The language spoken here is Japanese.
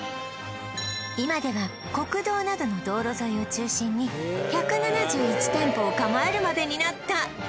今では国道などの道路沿いを中心に１７１店舗を構えるまでになった